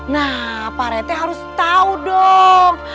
nah pak rete harus tahu dong